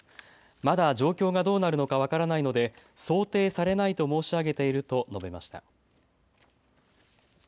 まだ状況がどうなるのか分からないので想定されないと申し上げていると述べました。